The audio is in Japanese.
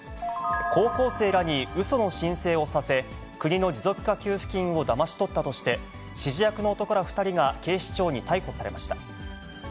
高校生らにうその申請をさせ、国の持続化給付金をだまし取ったとして、指示役の男ら２人が警視庁に逮捕されました。